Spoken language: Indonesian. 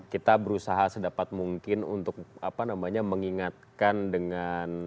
kita berusaha sedapat mungkin untuk mengingatkan dengan